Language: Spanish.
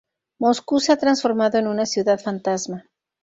Moscú se ha transformado en una ciudad fantasma.